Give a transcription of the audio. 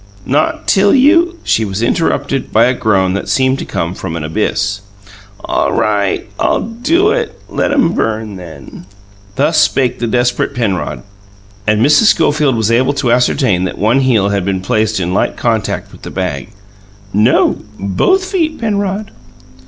"Not till you " She was interrupted by a groan that seemed to come from an abyss. "All right, I'll do it! Let 'em burn, then!" Thus spake the desperate Penrod; and Mrs. Schofield was able to ascertain that one heel had been placed in light contact with the bag. "No; both feet, Penrod."